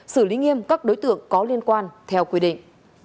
xử lý nghiêm các đối tượng có liên quan theo quy định